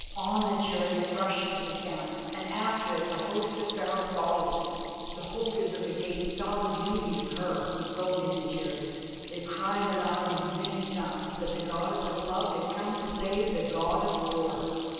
On the chariot rushed to the camp, and after it the host of Pharaoh followed. The holders of the gate saw the beauty of her who rode in the chariot; they cried aloud in many tongues that the Goddess of Love had come to save the God of War.